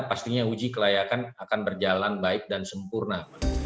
pastinya uji kelayakan akan berjalan baik dan sempurna